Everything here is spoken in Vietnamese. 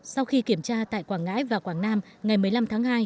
sau khi kiểm tra tại quảng ngãi và quảng nam ngày một mươi năm tháng hai